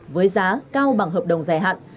với giá cao bằng hợp đồng dài hạn